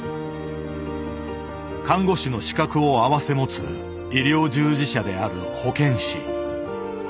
看護師の資格を併せ持つ医療従事者である保健師。